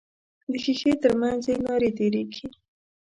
د ښیښې تر منځ یې نارې تیریږي.